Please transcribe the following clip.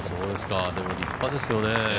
でも立派ですよね。